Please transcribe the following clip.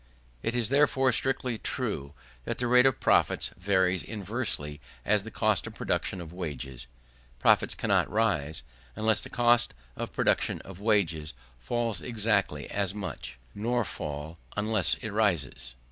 It is, therefore, strictly true, that the rate of profits varies inversely as the cost of production of wages. Profits cannot rise, unless the cost of production of wages falls exactly as much; nor fall, unless it rises.